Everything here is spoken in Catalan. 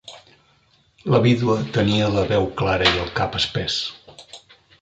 La vídua tenia la veu clara i el cap espès.